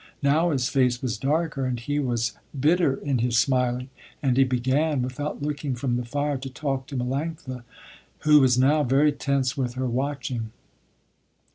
Now his face was darker, and he was bitter in his smiling, and he began, without looking from the fire, to talk to Melanctha, who was now very tense with her watching.